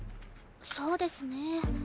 そうですね。